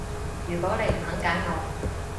如果你唔肯揀我